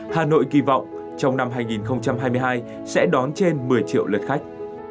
hà nội kỳ vọng trong năm hai nghìn hai mươi hai sẽ đón trên một mươi triệu lượt khách